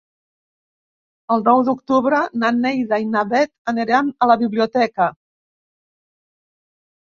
El nou d'octubre na Neida i na Bet aniran a la biblioteca.